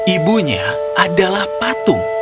ibunya adalah patung